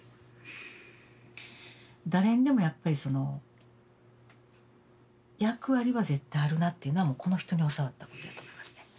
誰にでもやっぱりその役割は絶対あるなっていうのはもうこの人に教わったことやと思いますね。